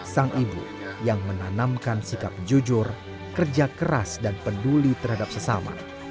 sang ibu yang menanamkan sikap jujur kerja keras dan peduli terhadap sesama